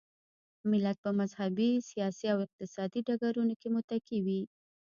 ملت په مذهبي، سیاسي او اقتصادي ډګرونو کې متکي وي.